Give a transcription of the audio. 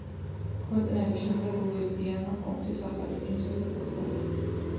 ქორწინების შემდეგ ლუიზ დიანა კონტის ახალი პრინცესა გახდა.